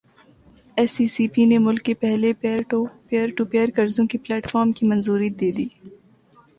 S E C P نے ملک کے پہلے پیر ٹو پیر قرضوں کے پلیٹ فارم کی منظوری دے دی